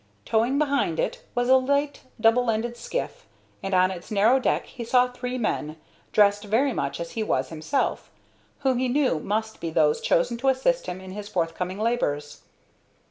Towing behind it was a light double ended skiff, and on its narrow deck he saw three men, dressed very much as he was himself, whom he knew must be those chosen to assist him in his forthcoming labors.